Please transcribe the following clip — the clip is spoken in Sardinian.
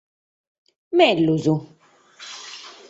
Mègius!